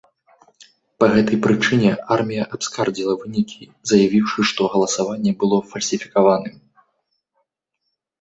Па гэтай прычыне, армія абскардзіла вынікі, заявіўшы, што галасаванне было фальсіфікаваным.